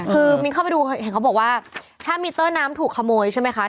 คือมิ้นเข้าไปดูเห็นเขาบอกว่าถ้ามิเตอร์น้ำถูกขโมยใช่ไหมคะ